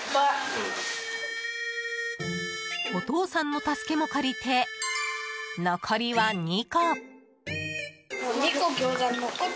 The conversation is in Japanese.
お父さんの助けも借りて残りは２個。